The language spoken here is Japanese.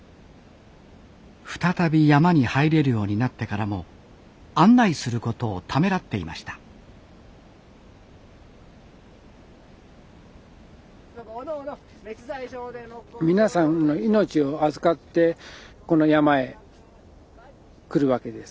再び山に入れるようになってからも案内することをためらっていました皆さんの命を預かってこの山へ来るわけです。